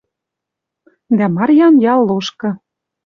Дӓ Марьян ял лошкы